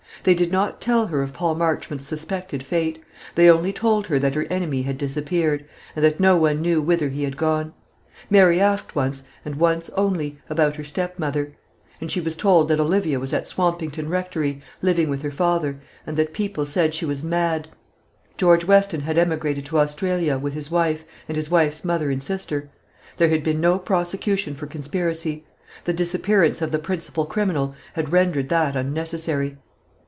They did not tell her of Paul Marchmont's suspected fate; they only told her that her enemy had disappeared, and that no one knew whither he had gone. Mary asked once, and once only, about her stepmother; and she was told that Olivia was at Swampington Rectory, living with her father, and that people said she was mad. George Weston had emigrated to Australia, with his wife, and his wife's mother and sister. There had been no prosecution for conspiracy; the disappearance of the principal criminal had rendered that unnecessary.